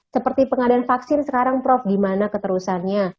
seperti pengadaan vaksin sekarang prof gimana keterusannya